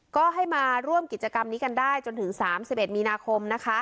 ก็ให้มาร่วมกิจกรรมนี้กันได้จนถึง๓๑มีนาคมนะคะ